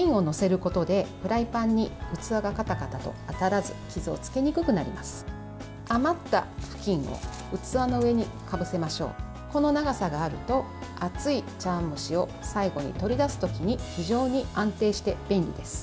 この長さがあると熱い茶碗蒸しを最後に取り出す時に非常に安定して便利です。